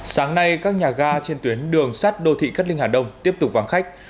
sáng nay các nhà ga trên tuyến đường sắt đô thị cát linh hà đông tiếp tục vắng khách